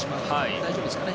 大丈夫ですかね。